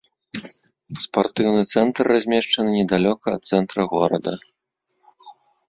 Спартыўны цэнтр размешчаны недалёка ад цэнтра горада.